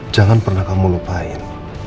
jangan pernah kamu lupain